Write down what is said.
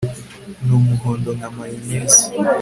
n'umuhondo, nka mayoneze